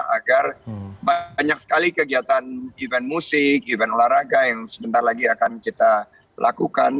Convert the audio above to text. agar banyak sekali kegiatan event musik event olahraga yang sebentar lagi akan kita lakukan